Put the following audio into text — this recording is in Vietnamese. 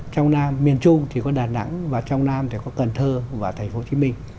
trong nam miền trung thì có đà nẵng và trong nam thì có cần thơ và tp hcm